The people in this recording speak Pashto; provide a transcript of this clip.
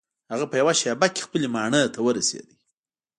هغه په یوه شیبه کې خپلې ماڼۍ ته ورسید.